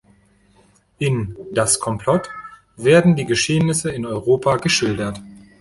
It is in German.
In "Das Komplott" werden die Geschehnisse in Europa geschildert.